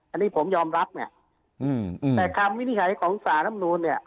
อันนี้ผมยอมรับเนี่ยแต่คำวินิจฉัยของสารำนูนเนี่ย